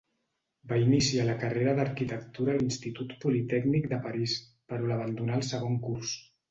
Va iniciar la carrera d'arquitectura a l'Institut Politècnic de París, però l'abandonà al segon curs.